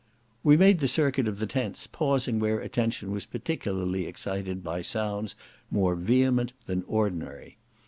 We made the circuit of the tents, pausing where attention was particularly excited by sounds more vehement than ordinary.